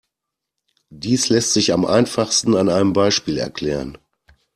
Dies lässt sich am einfachsten an einem Beispiel erklären.